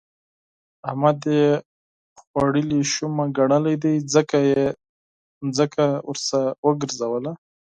احمد يې خوړلې شومه ګنلی دی؛ ځکه يې ځمکه ورڅخه وګرځوله.